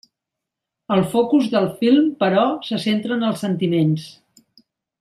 El focus del film, però, se centra en els sentiments.